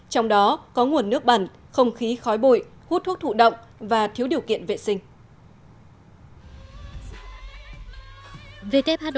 trong đó có nguồn nước bẩn không khí khói bụi hút thuốc thụ động và thiếu điều kiện vệ sinh